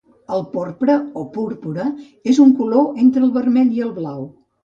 El porpra o púrpura és un color entre el vermell i el blau